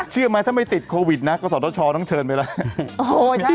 เชื่อไหมถ้าไม่ติดโควิดนะกศชต้องเชิญไปแล้ว